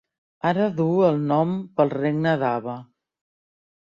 Ava duu el seu nom pel regne d'Ava.